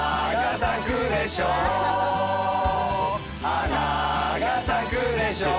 花が咲くでしょう